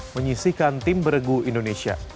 menyisihkan tim bergu indonesia